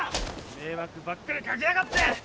迷惑ばっかりかけやがって！